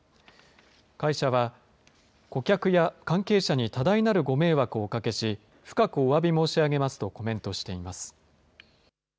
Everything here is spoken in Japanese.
会社は顧客や関係者に多大なるご迷惑をおかけし、深くおわび申し上げますとコメントしています。